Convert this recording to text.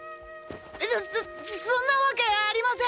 そそっそんなわけありません！！